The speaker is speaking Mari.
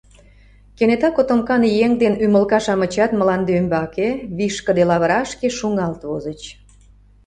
Кенета котомкан еҥ ден ӱмылка-шамычат мланде ӱмбаке, вишкыде лавырашке шуҥгалт возыч.